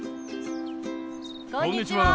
こんにちは。